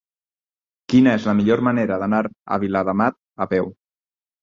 Quina és la millor manera d'anar a Viladamat a peu?